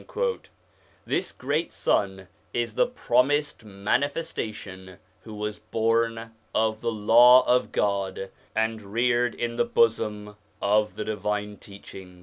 This great son is the promised Manifestation who was born of the Law of God and reared in the bosom of the divine teachings.